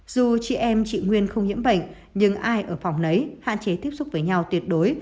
dù chị em chị nguyên không nhiễm bệnh nhưng ai ở phòng lấy hạn chế tiếp xúc với nhau tuyệt đối